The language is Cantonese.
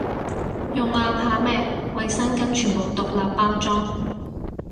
用啊，怕咩，衛生巾全部獨立包裝